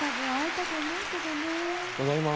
ただいま。